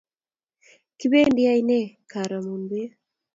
Kipendi ainek karamun peek